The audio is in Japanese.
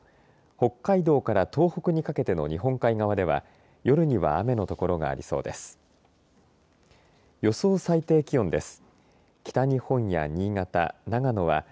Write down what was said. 北海道から東北にかけての日本海側では夜には雨の所がありそうです。